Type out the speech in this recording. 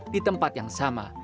di tempat yang sama